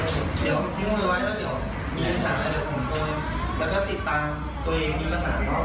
เดี๋ยวเขาทิ้งไว้แล้วเดี๋ยวแล้วก็ติดตามตัวเองดีกว่าตามเขา